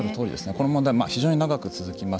この問題は非常に長く続きます。